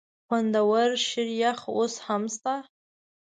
خوندور شریخ اوس هم شته؟